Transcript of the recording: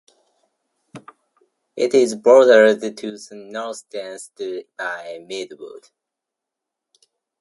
It is bordered to the northeast by Meadowood.